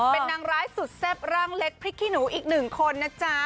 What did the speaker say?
เป็นนางร้ายสุดแซ่บร่างเล็กพริกขี้หนูอีกหนึ่งคนนะจ๊ะ